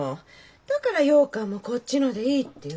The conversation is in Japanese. だからようかんもこっちのでいいって言ったのに。